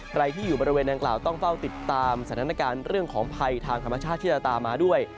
ใครที่อยู่บริเวณนางกล่าวต้องเฝ้าติดตามสถานการณ์เรื่องของภัยทางธรรมชาติที่จะตามมาด้วย